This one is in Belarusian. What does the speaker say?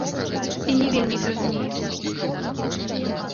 І не вельмі іх зразумее.